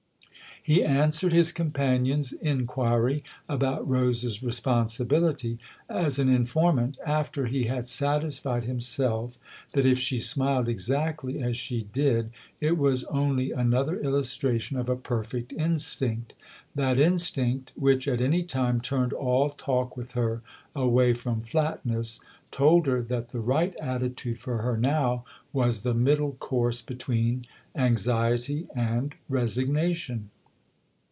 He answered his companion's inquiry about Rose's responsibility as an informant after he had satisfied himself that if she smiled exactly as she did it was only another illustration of a perfect instinct. That instinct, which at any time turned all talk with her away from flatness, told her that the right attitude for her now was the middle course between anxiety and resignation.